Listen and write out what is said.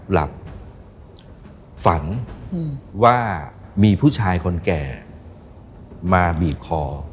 หลับฝันว่ามีผู้ชายคนแก่มาบีบคอ